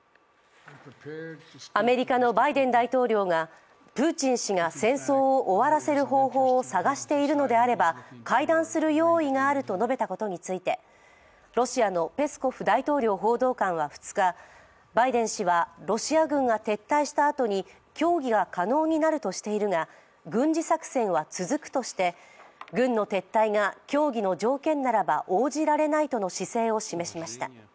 アメリカのバイデン大統領がプーチン氏が戦争を終わらせる方法を探しているのであれば会談する用意があると述べたことについて、ロシアのペスコフ大統領報道官は２日バイデン氏はロシア軍が撤退したあとに協議が可能になるとしているが軍事作戦は続くとして軍の撤退が協議の条件ならば応じられないとの姿勢を示しました。